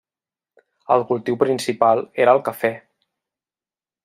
El cultiu principal era el cafè.